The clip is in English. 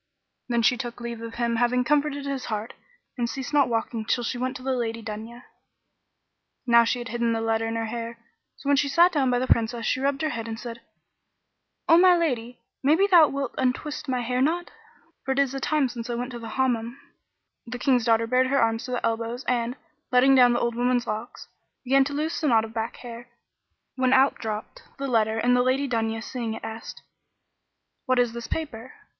Then she took leave of him having comforted his heart, and ceased not walking till she went in to the Lady Dunya. Now she had hidden the letter in her hair: so when she sat down by the Princess she rubbed her head and said, "O my lady, maybe thou wilt untwist my hair knot, for it is a time since I went to the Hammam." The King's daughter bared her arms to the elbows and, letting down the old woman's locks, began to loose the knot of back hair; when out dropped the letter and the Lady Dunya seeing it, asked, "What is this paper?"